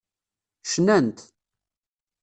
Cnant.